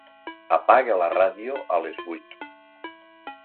Apaga la ràdio a les vuit.